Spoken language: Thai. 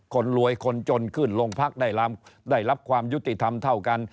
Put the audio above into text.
คนรวยคนจนขึ้นโรงพักได้รับความยุติธรรมเท่ากัน